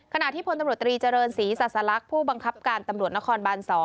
ขณะที่พนตรรีเจริญศรีสัสลักผู้บังคับการตำรวจนครบ๒